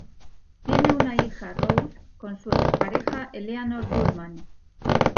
Tiene una hija, Rose, con su expareja Eleanor Boorman.